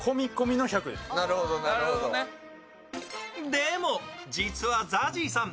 でも実はＺＡＺＹさん